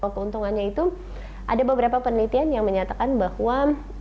keuntungannya itu ada beberapa penelitian yang menyatakan bahwa